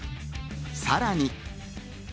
さらに。